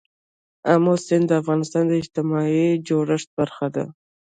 آمو سیند د افغانستان د اجتماعي جوړښت برخه ده.